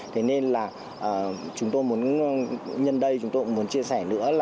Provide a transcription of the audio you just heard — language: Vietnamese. thế nên là chúng tôi muốn nhân đây chúng tôi muốn chia sẻ nữa là